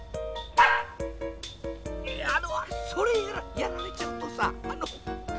あのそれやられちゃうとさあの。